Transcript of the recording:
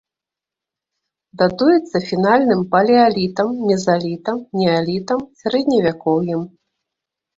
Датуецца фінальным палеалітам, мезалітам, неалітам, сярэдневякоўем.